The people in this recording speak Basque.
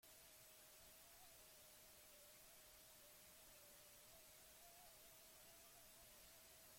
Haren azpian etxola baten aztarnak topatu zituzten ikerlariek.